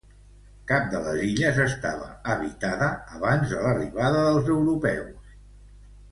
Cap de les illes estava habitada abans de l'arribada dels europeus.